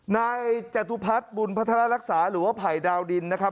นายจตุพัฒน์บุญพัฒนารักษาหรือว่าภัยดาวดินนะครับ